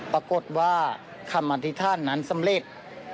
ปรากฏว่าคำอธิษฐานนั้นสำเร็จ